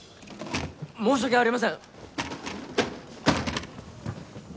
申し訳ありません！